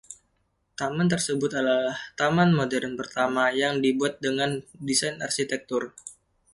Taman tersebut adalah taman modern pertama yang dibuat dengan desain arsitektur.